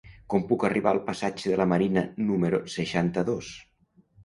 Com puc arribar al passatge de la Marina número seixanta-dos?